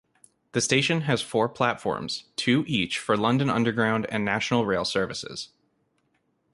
The station has four platforms; two each for London Underground and National Rail services.